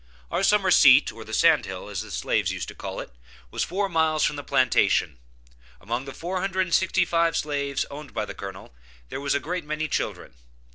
Our summer seat, or the sand hill, as the slaves used to call it, was four miles from the plantation. Among the four hundred and sixty five slaves owned by the colonel there were a great many children.